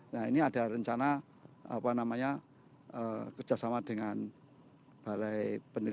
nah ini ada rencana apa namanya kerjasama dengan balai peneliti